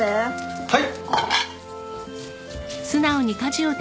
はい！